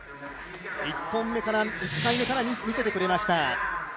１回目から、見せてくれました。